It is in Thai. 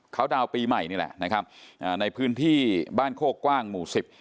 เขาดาวน์ปีใหม่นี่แหละนะครับอ่าในพื้นที่บ้านโคกว้างหมู่สิบ